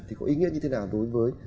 thì có ý nghĩa như thế nào đối với